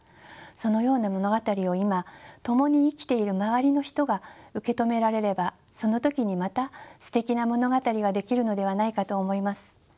そのような物語を今共に生きている周りの人が受け止められればその時にまたすてきな物語が出来るのではないかと思います。